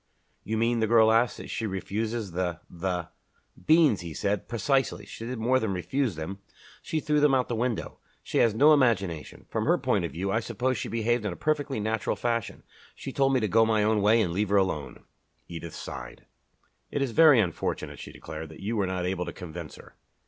"You mean," the girl asked, "that she refuses the the " "Beans," he said. "Precisely! She did more than refuse them she threw them out of the window. She has no imagination. From her point of view I suppose she behaved in a perfectly natural fashion. She told me to go my own way and leave her alone." Edith sighed. "It is very unfortunate," she declared, "that you were not able to convince her."